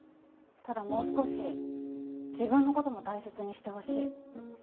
ただもう少し自分の事も大切にしてほしい。